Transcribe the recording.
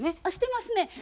あっしてますね。